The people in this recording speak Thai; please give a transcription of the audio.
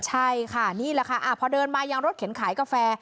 ใช่ค่ะนี่แหละค่ะพอเดินมายังรถเข็นขายกาแฟ